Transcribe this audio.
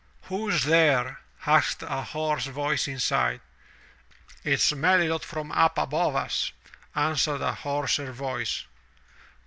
"Who's there?'' asked a hoarse voice inside. "It's MeUlot, from up above us," answered a hoarser voice.